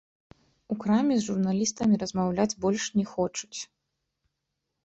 У краме з журналістамі размаўляць больш не хочуць.